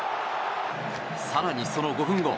更に、その５分後。